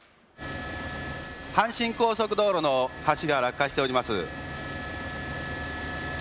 阪神高速道路の橋が落下しております。